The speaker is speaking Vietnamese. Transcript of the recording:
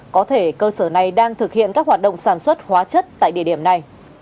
có thể cơ sở này đang thực hiện các hoạt động sản xuất hóa chất tại địa điểm này